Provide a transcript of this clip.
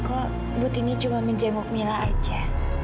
kok butini cuma menjenguk mila aja